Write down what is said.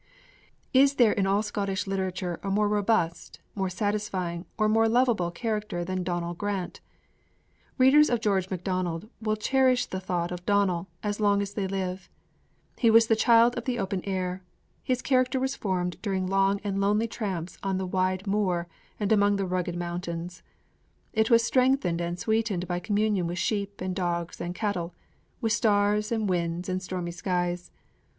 V Is there in all Scottish literature a more robust, more satisfying, or more lovable character than Donal Grant? Readers of George Macdonald will cherish the thought of Donal as long as they live. He was the child of the open air; his character was formed during long and lonely tramps on the wide moor and among the rugged mountains; it was strengthened and sweetened by communion with sheep and dogs and cattle, with stars and winds and stormy skies.